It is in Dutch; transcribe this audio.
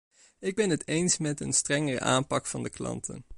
Ik ben het eens met een strengere aanpak van de klanten.